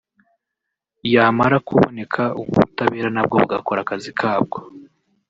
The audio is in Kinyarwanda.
yamara kuboneka ubutabera nabwo bugakora akazi kabwo